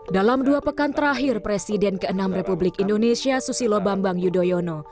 dalam dua pekan terakhir presiden ke enam republik indonesia susilo bambang yudhoyono